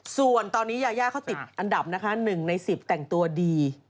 ส่วนตอนนี้ยายาเขาติดอันดับนะคะ๑ใน๑๐แต่งตัวดี